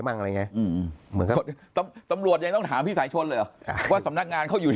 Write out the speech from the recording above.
มั่งอะไรเงี้ยตำรวจยังถามพี่ไสชนหรือก็สำนักงานเขาอยู่